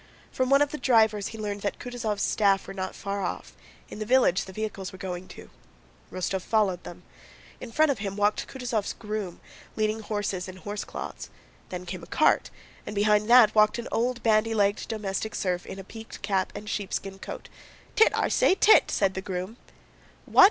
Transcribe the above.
From one of the drivers he learned that Kutúzov's staff were not far off, in the village the vehicles were going to. Rostóv followed them. In front of him walked Kutúzov's groom leading horses in horsecloths. Then came a cart, and behind that walked an old, bandy legged domestic serf in a peaked cap and sheepskin coat. "Tit! I say, Tit!" said the groom. "What?"